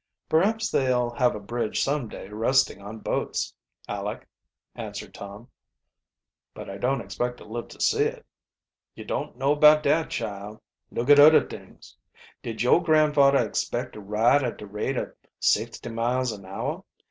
"Perhaps they'll have a bridge some day resting on boats, Aleck," answered Tom. "But I don't expect to live to see it." "Yo' don't know about dat, chile. Look at uddert'ings. Did yo'gran'fadder expect to ride at de rate ob sixty miles an hour?